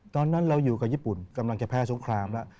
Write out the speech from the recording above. ตอนนั้นเราอยู่กับญี่ปุ่นกำลังจะแพ้สงครามแล้ว